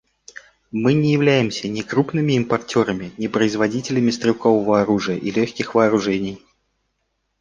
Мы не являемся ни крупными импортерами, ни производителями стрелкового оружия и легких вооружений.